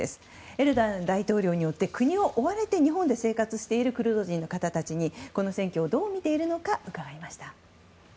エルドアン大統領によって国を追われて日本で生活しているクルド人の方たちにこの選挙をどう見ているのか伺いました。